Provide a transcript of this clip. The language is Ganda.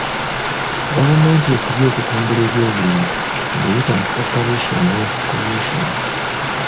Gavumenti efubye okutumbula ebyobulimi ng'eyita mu Operation Wealth Creation.